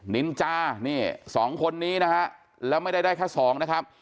นินจานี่สองคนนี้นะฮะแล้วไม่ได้ได้แค่สองนะครับ